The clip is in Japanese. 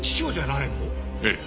ええ。